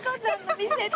見せて！